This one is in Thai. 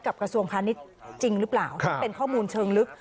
กระทรวงพาณิชย์จริงหรือเปล่าเป็นข้อมูลเชิงลึก